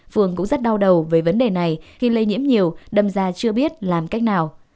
phường cũng rất đau đầu với vấn đề này khi lây nhiễm nhiều đâm ra chưa biết làm cách nào